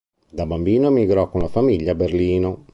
Da bambino emigrò con la famiglia a Berlino.